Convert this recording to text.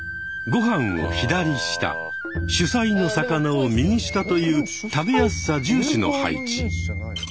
ご飯を左下主菜の魚を右下という食べやすさ重視の配置。